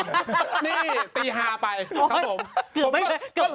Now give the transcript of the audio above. นี่ตีฮาไปครับผม